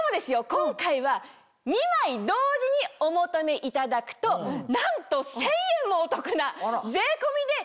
今回は２枚同時にお求めいただくとなんと１０００円もお得な。